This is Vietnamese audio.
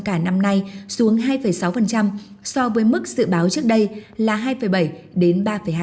cả năm nay xuống hai sáu so với mức dự báo trước đây là hai bảy đến ba hai